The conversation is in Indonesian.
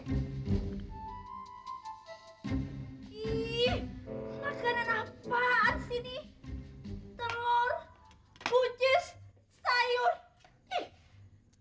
ih makanan apaan sih ini